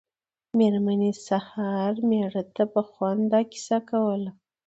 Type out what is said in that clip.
مېرمنې سهار مېړه ته په خوند دا کیسه کوله.